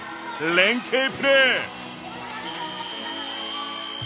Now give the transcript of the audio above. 連携プレー。